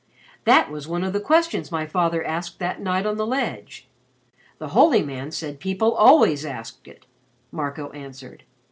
"That was one of the questions my father asked that night on the ledge. The holy man said people always asked it," Marco answered.